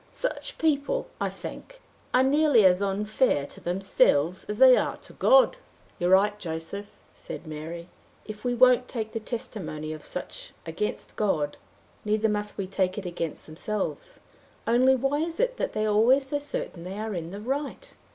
Such people, I think, are nearly as unfair to themselves as they are to God." "You're right, Joseph," said Mary. "If we won't take the testimony of such against God, neither must we take it against themselves. Only, why is it they are always so certain they are in the right?"